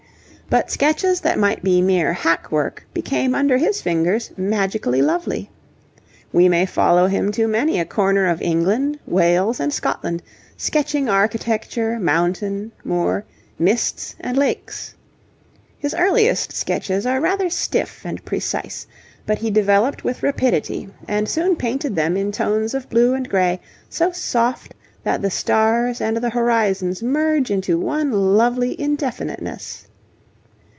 But sketches that might be mere hack work became under his fingers magically lovely. We may follow him to many a corner of England, Wales, and Scotland, sketching architecture, mountain, moor, mists, and lakes. His earliest sketches are rather stiff and precise. But he developed with rapidity, and soon painted them in tones of blue and grey, so soft that the stars and the horizons merge into one lovely indefiniteness.